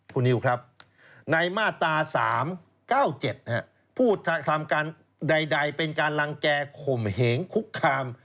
คุณนิวครับในมาตรา๓๙๗ผู้ทำการใดเป็นการลังแก่ข่มเหงคุกคาม